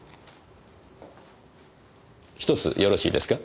１つよろしいですか？